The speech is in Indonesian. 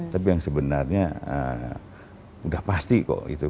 tapi yang sebenarnya sudah pasti kok itu